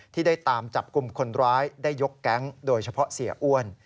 ที่ได้ตามจับกลุ่มคนร้ายได้ยกแก๊งโดยเฉพาะเสียอ้วน